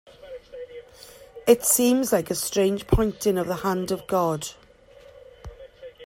It seems like a strange pointing of the hand of God.